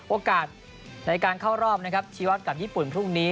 โอกาสในการเข้ารอบนะครับชีวัตรกับญี่ปุ่นพรุ่งนี้